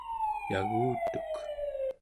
yagutuk